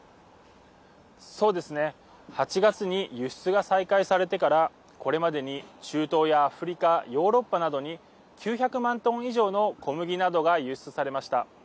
８月に輸出が再開されてからこれまでに中東やアフリカヨーロッパなどに９００万トン以上の小麦などが輸出されました。